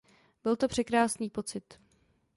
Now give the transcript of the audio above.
Byl to překrásný pocit.